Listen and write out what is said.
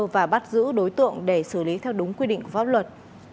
và bắt giữ đối tượng để xử lý theo đúng quy định của pháp luật